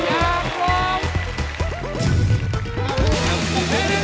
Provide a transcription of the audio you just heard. อย่าเอาหนึ่ง